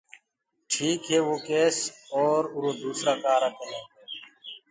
ٺيڪ هي وه ڪيس اور اُرو دوُسرآ ڪآرآ ڪني گو۔